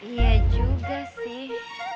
iya juga sih